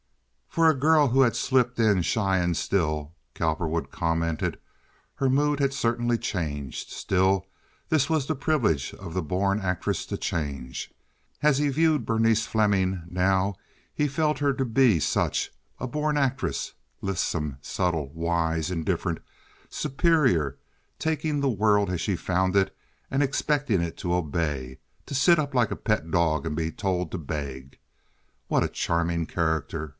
For a girl who had slipped in shy and still, Cowperwood commented, her mood had certainly changed. Still, this was the privilege of the born actress, to change. And as he viewed Berenice Fleming now he felt her to be such—a born actress, lissome, subtle, wise, indifferent, superior, taking the world as she found it and expecting it to obey—to sit up like a pet dog and be told to beg. What a charming character!